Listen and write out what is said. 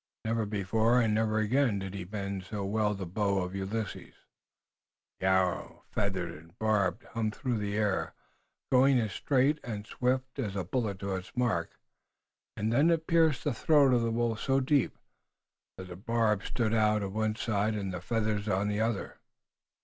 Never before and never again did he bend so well the bow of Ulysses. The arrow, feathered and barbed, hummed through the air, going as straight and swift as a bullet to its mark, and then it pierced the throat of the wolf so deep that the barb stood out on one side and the feathers on the other.